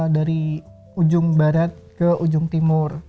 dari ujung barat ke ujung timur